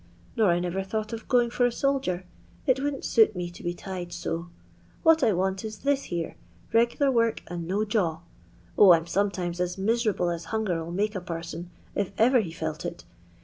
Nor I never thought of gmng for a soldier ; it w)uldn*t suit me to be ti^ so. What I want is this here — re^Ur work and no jaw. 0, I'm sometimes as miserable as hanger 'U make a parson, if ever he felt it.